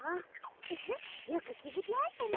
フフよくきづきましたね。